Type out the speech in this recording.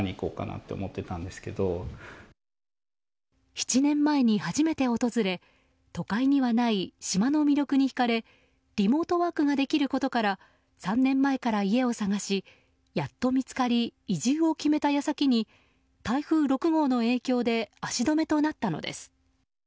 ７年前に初めて訪れ都会にはない島の魅力に引かれリモートワークができることから３年前から家を探しやっと見つかり移住を決めた矢先に台風６号の影響で足止めとなったのです。